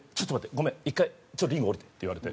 ごめん１回リング下りて」って言われて。